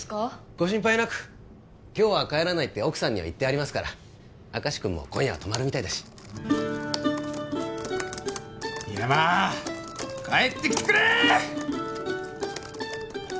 ご心配なく今日は帰らないって奥さんには言ってありますから明石君も今夜は泊まるみたいだし深山ッ帰ってきてくれッ！